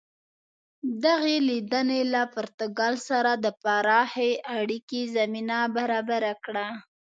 دغې لیدنې له پرتګال سره د پراخې اړیکې زمینه برابره کړه.